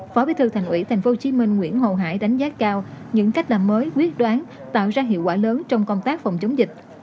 phó bí thư thành ủy tp hcm nguyễn hồ hải đánh giá cao những cách làm mới quyết đoán tạo ra hiệu quả lớn trong công tác phòng chống dịch